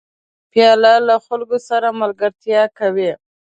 پیاله له خلکو سره ملګرتیا کوي.